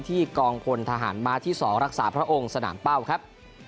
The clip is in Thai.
กองพลทหารม้าที่๒รักษาพระองค์สนามเป้าครับ